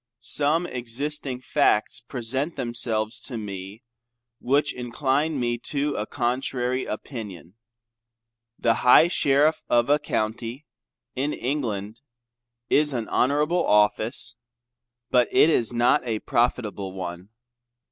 Some existing facts present themselves to me, which incline me to a contrary opinion. The high Sheriff of a County in England is an honorable office, but it is not a profitable one.